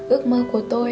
ước mơ của tôi